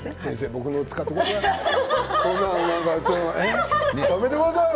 僕のたこを使ってくださいよ。